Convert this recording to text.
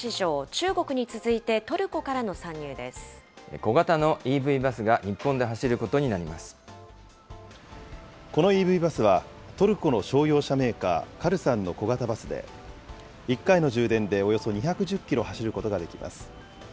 中国に続いてトルコから小型のＥＶバスが日本で走るこのＥＶバスは、トルコの商用車メーカー、カルサンの小型バスで、１回の充電でおよそ２１０キロ走ることができます。